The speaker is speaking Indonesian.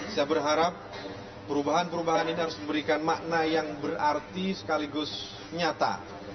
saya berharap perubahan perubahan ini harus memberikan makna yang berarti sekaligus nyata